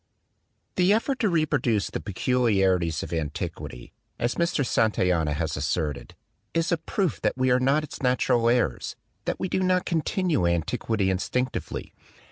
"The effort to reproduce the peculiarities of antiquity," as Mr. Santayana has asserted, "is a proof that we are not its natural heirs, that we do not continue antiquity instinctively.